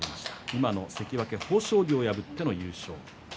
今の関脇豊昇龍を破っての優勝でした。